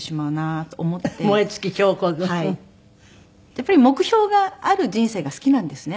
やっぱり目標がある人生が好きなんですね